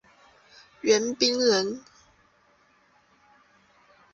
袁彬人。